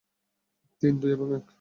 তিন, দুই এবং এক!